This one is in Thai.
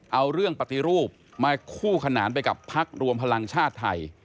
เอาเรื่องปฏิรูปมาคู่ขนานไปกับพักรวมพลังชาติไทย